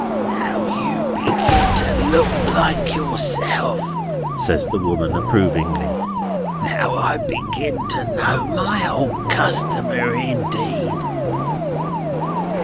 "Now you begin to look like yourself," says the woman approvingly. "Now I begin to know my old customer indeed!